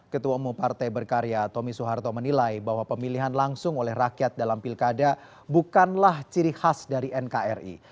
ketua umum partai berkarya tommy soeharto menilai bahwa pemilihan langsung oleh rakyat dalam pilkada bukanlah ciri khas dari nkri